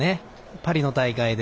パリの大会で。